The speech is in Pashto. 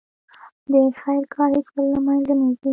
د خیر کار هیڅکله له منځه نه ځي.